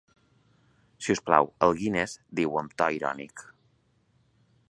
Si us plau, al Guiness, diu amb to irònic.